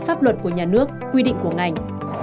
pháp luật của nhà nước quy định của ngành